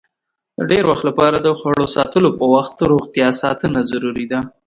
د ډېر وخت لپاره د خوړو ساتلو په وخت روغتیا ساتنه ضروري ده.